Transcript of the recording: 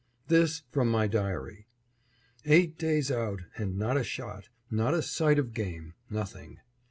This from my diary: Eight days out and not a shot, not a sight of game, nothing.